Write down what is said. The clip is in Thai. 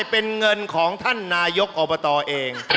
เป็นเงินของท่านนายกอบตเอง